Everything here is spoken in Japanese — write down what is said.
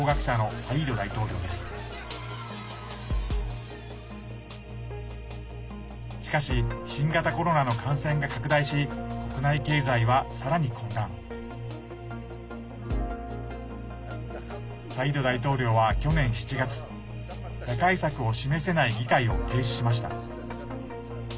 サイード大統領は去年７月打開策を示せない議会を停止しました。